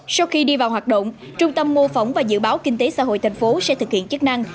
sau khi đi vào hoạt động trung tâm mô phỏng và dự báo kinh tế xã hội thành phố sẽ thực hiện chức năng